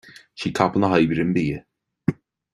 Sí capall na hoibre an bia